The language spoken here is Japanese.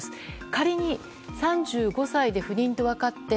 仮に、３５歳で不妊と分かって